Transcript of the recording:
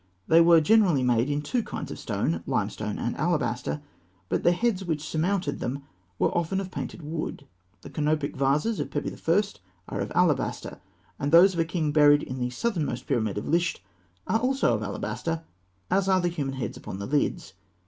They were generally made in two kinds of stone, limestone and alabaster; but the heads which surmounted them were often of painted wood. The canopic vases of Pepi I. are of alabaster; and those of a king buried in the southernmost pyramid at Lisht are also of alabaster, as are the human heads upon the lids.